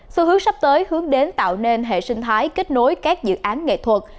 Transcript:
xu hướng sắp tới hướng đến tạo nên hệ sinh thái kết nối các dự án nghệ thuật